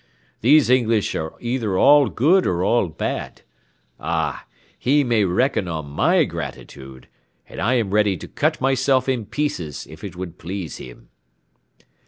These English are either all good or all bad. Ah! he may reckon on my gratitude, and I am ready to cut myself in pieces if it would please him."